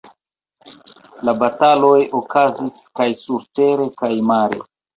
La bataloj okazis kaj surtere kaj mare.